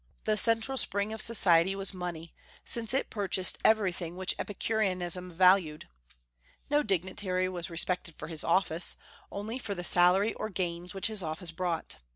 The central spring of society was money, since it purchased everything which Epicureanism valued. No dignitary was respected for his office, only for the salary or gains which his office brought.